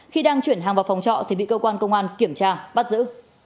khi đang chuyển hàng vào phòng trọ thì bị cơ quan công an kiểm tra bắt giữ